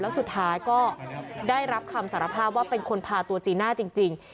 แล้วสุดท้ายก็ได้รับคำสารภาพว่าเป็นคนพาตัวจีน่าจริง